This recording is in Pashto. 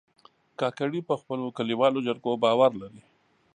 کاکړي په خپلو کلیوالو جرګو باور لري.